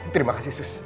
terima kasih sus